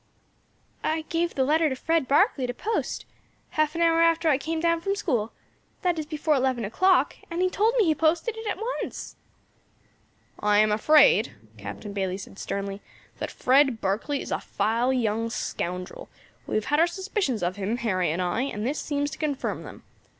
"I gave the letter to Fred Barkley to post, half an hour after I came down from school, that is before eleven o'clock, and he told me he posted it at once." "I am afraid," Captain Bayley said sternly, "that Fred Barkley is a vile young scoundrel; we have had our suspicions of him, Harry and I, and this seems to confirm them.